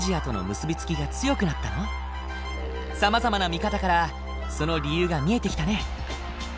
さまざまな見方からその理由が見えてきたね。